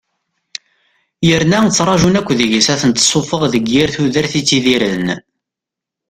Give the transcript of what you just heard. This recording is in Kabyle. Yerna ttrajun akk deg-s ad ten-tessuffeɣ deg yir tudert i ttidiren.